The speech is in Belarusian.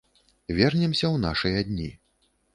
Вернемся ў нашыя дні.